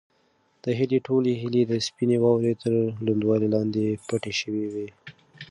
د هیلې ټولې هیلې د سپینې واورې تر لوندوالي لاندې پټې شوې وې.